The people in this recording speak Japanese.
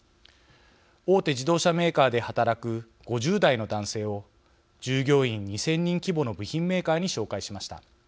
大手自動車メーカーで働く５０代の男性を従業員２０００人規模の部品メーカーに紹介しました。